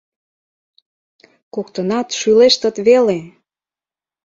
Коктынат шӱлештыт веле...